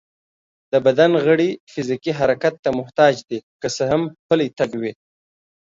د بدن غړي فزيکي حرکت ته محتاج دي، که څه هم پلی تګ وي